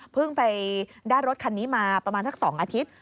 เพิ่งไปด้านรถคันนี้มาประมาณสัก๒อาทิตย์